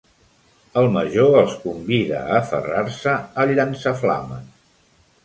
El major els convida a aferrar-se al llançaflames.